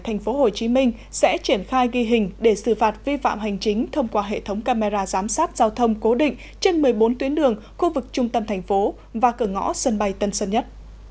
tp hcm sẽ triển khai ghi hình để xử phạt vi phạm hành chính thông qua hệ thống camera giám sát giao thông cố định trên một mươi bốn tuyến đường khu vực trung tâm thành phố và cửa ngõ sân bay tân sơn nhất